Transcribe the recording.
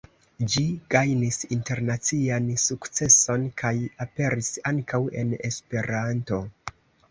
Ĝi gajnis internacian sukceson kaj aperis ankaŭ en Esperanto.